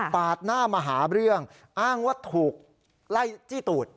หน้ามาหาเรื่องอ้างว่าถูกไล่จี้ตูด